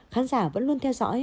khán giả vẫn luôn theo dõi